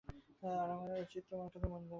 আর আমার উচিৎ নিজের কাজে মন দেয়া।